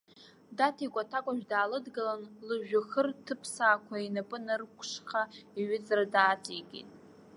Даҭикәа аҭакәажә даалыдгылан, лыжәҩахыр ҭыԥсаақәа инапы нарықәкшәа, иҩыҵра дааҵеикит.